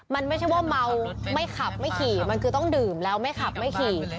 มันไม่ใช่ว่าเมาไม่ขับไม่ขี่มันคือต้องดื่มแล้วไม่ขับไม่ขี่